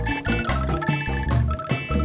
belum datang kang